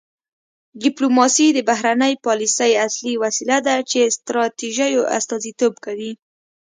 ډیپلوماسي د بهرنۍ پالیسۍ اصلي وسیله ده چې ستراتیژیو استازیتوب کوي